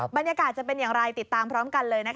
บรรยากาศจะเป็นอย่างไรติดตามพร้อมกันเลย